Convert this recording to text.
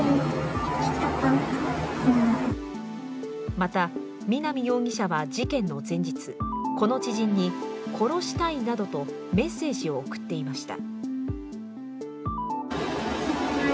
また、南容疑者は事件の前日この知人に殺したいなどとメッセージを送っていました。